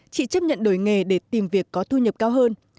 chị chấp nhận đổi nghề để tìm việc có thu nhập cao hơn